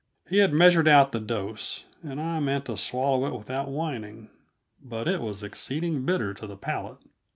He had measured out the dose, and I meant to swallow it without whining but it was exceeding bitter to the palate!